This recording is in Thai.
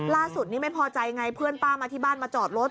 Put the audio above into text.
ล่าสุดนี้ไม่พอใจไงเพื่อนป้ามาที่บ้านมาจอดรถ